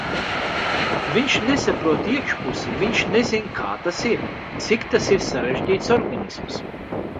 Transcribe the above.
Viņš nesaprot iekšpusi, viņš nezina, kā tas ir. Cik tas ir sarežģīts organisms.